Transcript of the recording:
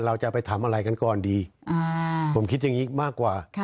เราจะไปทำอะไรกันก่อนดีผมคิดอย่างนี้มากกว่า